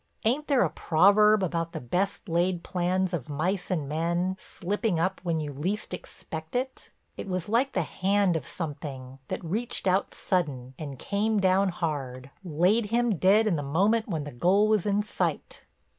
Ain't there a proverb about the best laid plans of mice and men slipping up when you least expect it? It was like the hand of something, that reached out sudden and came down hard, laid him dead in the moment when the goal was in sight.